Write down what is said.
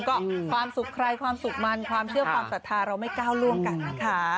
ก็ความสุขใครความสุขมันความเชื่อความศรัทธาเราไม่ก้าวล่วงกันนะคะ